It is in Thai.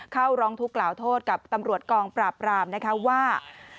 เข้าร้องทุกข์กล่าวโทษกับตำรวจกองปราบรามนะคะว่า